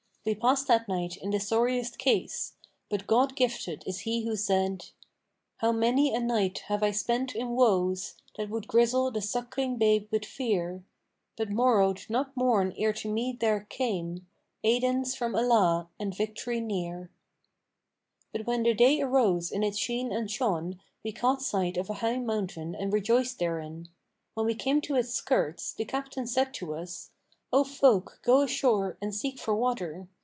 We passed that night in the sorriest case: but God gifted is He who said, 'How many a night have I spent in woes * That would grizzle the suckling babe with fear: But morrowed not morn ere to me there came * 'Aidance from Allah and victory near.'[FN#503] But when the day arose in its sheen and shone, we caught sight of a high mountain and rejoiced therein. When we came to its skirts, the Captain said to us, 'O folk, go ashore and seek for water.'